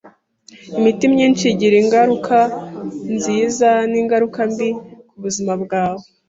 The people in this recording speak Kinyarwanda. Imiti myinshi igira ingaruka nziza n'ingaruka mbi ku buzima bwawe.